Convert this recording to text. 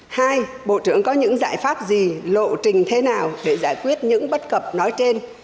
hai bộ trưởng có những giải pháp gì lộ trình thế nào để giải quyết những bất cập nói trên